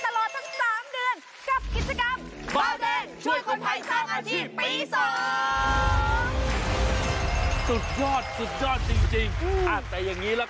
แล้วก็จะแจกร้านกันแบบนี้ตลอด